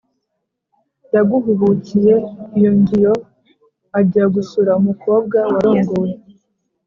yaguhubukiye iyo ngiyo ajya gusura umukobwa warongowe